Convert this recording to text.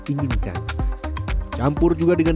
ini ini satu kesini